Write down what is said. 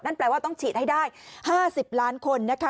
แปลว่าต้องฉีดให้ได้๕๐ล้านคนนะคะ